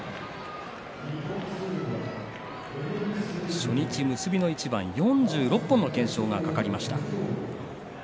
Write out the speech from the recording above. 初日、結びの一番４６本の懸賞がかかりました。